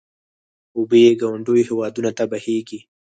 اوبه یې ګاونډیو هېوادونو ته بهېږي.